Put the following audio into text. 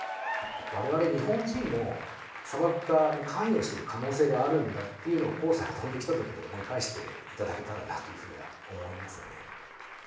われわれ日本人も、砂漠化に関与してる可能性があるんだっていうのを、黄砂が飛んできたときに思い返していただけたらなというふうには思いますね。